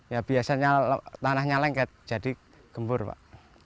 ya biasanya tanahnya lengket jadi gembur pak